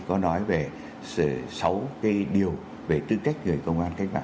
có nói về sáu cái điều về tư cách người công an cách mạng